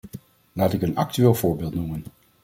Laat ik een actueel voorbeeld noemen.